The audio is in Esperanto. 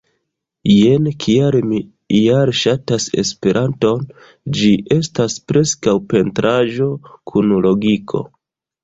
Jen kial mi ial ŝatas Esperanton ĝi estas preskaŭ pentraĵo kun logiko